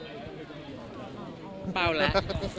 แก่งสีด้วยนะครับ